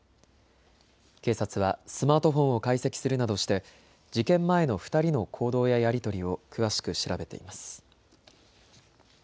警察はスマートフォンを解析するなどして事件前の２人の行動ややり取りを詳しく調べています。